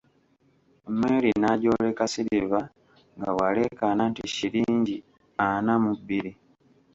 Merry n'agyoleka Silver nga bw'aleekaana nti shillingi ana mu bbiri.